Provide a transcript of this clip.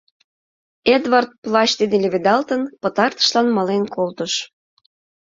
Эдвард, плащ дене леведалтын, пытартышлан мален колтыш.